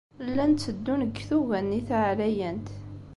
Llan tteddun deg tuga-nni taɛlayant.